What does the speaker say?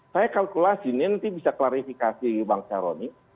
saya kalkulasi ini nanti bisa klarifikasi bang saroni